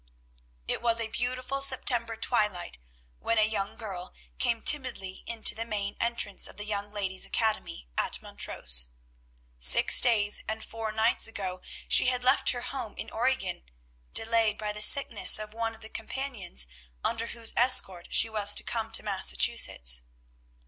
It was a beautiful September twilight when a young girl came timidly into the main entrance of the Young Ladies' Academy at Montrose. Six days and four nights ago she had left her home in Oregon, delayed by the sickness of one of the companions under whose escort she was to come to Massachusetts.